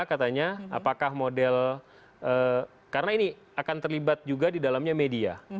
katanya apakah model karena ini akan terlibat juga di dalamnya media